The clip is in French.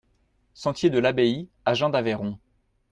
Sentier de l'Abbaye, Agen-d'Aveyron